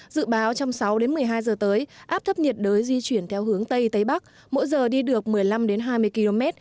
dự báo trong sáu đến một mươi hai giờ tới áp thấp nhiệt đới di chuyển theo hướng tây tây bắc mỗi giờ đi được một mươi năm hai mươi km